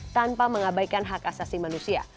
tanpa mengabaikan hak asasi manusia